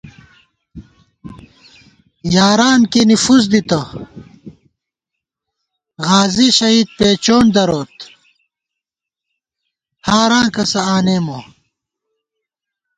یاران کېنےفُس دِتہ، غازی شہید پېچونڈ دروت ہاراں کسہ آنېمہ